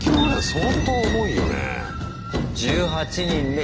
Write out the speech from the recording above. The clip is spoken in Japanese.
相当重いよね。